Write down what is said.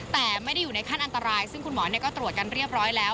แต่ไม่ได้อยู่ในขั้นอันตรายซึ่งคุณหมอก็ตรวจกันเรียบร้อยแล้ว